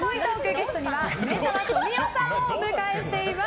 ゲストには梅沢富美男さんをお迎えしています。